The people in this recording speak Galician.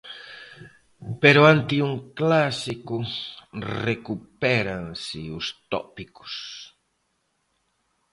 Pero ante un clásico recupéranse os tópicos...